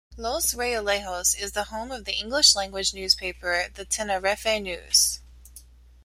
Los Realejos is the home of English language newspaper the Tenerife News.